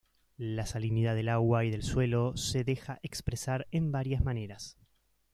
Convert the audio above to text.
La salinidad del agua y del suelo se deja expresar en varias maneras.